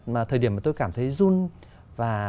mà thời điểm mà tôi cảm thấy run và